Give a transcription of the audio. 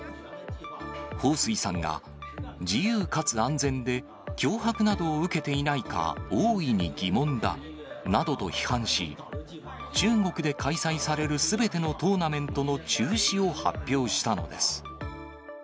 彭帥さんが、自由かつ安全で脅迫などを受けていないか、大いに疑問だなどと批判し、中国で開催される、すべてのトーナメントの中止を発表したのです。